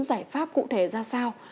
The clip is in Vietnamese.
giải pháp cụ thể ra sao